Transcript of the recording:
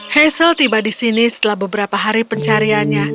hazel tiba di sini setelah beberapa hari pencariannya